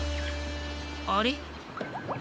あれ？